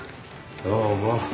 どうも。